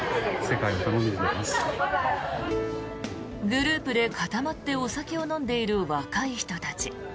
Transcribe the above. グループで固まってお酒を飲んでいる若い人たち。